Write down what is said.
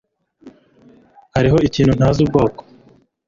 hariho ikintu ntazi ubwoko